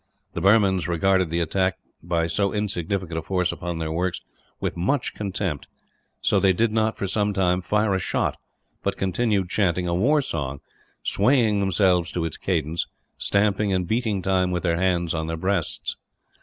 The Burmans regarded the attack by so insignificant a force upon their works with such contempt that they did not, for some time, fire a shot; but continued chanting a war song, swaying themselves to its cadence, stamping and beating time with their hands on their breasts.